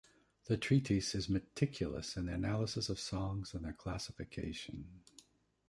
The treatise is meticulous in its analysis of songs and their classification.